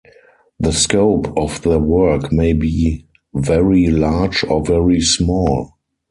The scope of their work may be very large or very small.